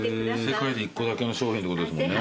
世界で１個だけの商品ってことですもんね。